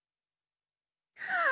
はあ！